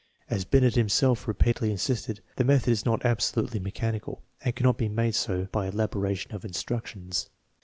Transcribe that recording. As Binet himself re peatedly insisted, the method is not absolutely mechanical, and cannot be made so by elaboration of instructions.